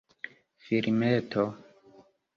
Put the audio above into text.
filmeto